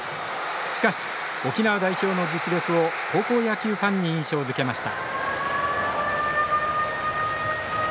しかし、沖縄代表の実力を高校野球ファンに印象づけました。